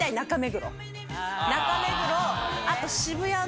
中目黒あと。